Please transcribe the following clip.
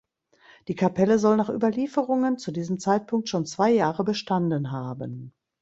Die Kapelle soll nach Überlieferungen zu diesem Zeitpunkt schon zwei Jahre bestanden haben.